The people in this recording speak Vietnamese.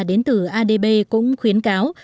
đến từ adb cũng khuyến cáo